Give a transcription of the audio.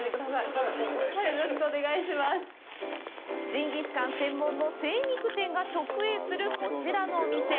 ジンギスカン専門の精肉店が直営する、こちらのお店。